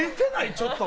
ちょっと」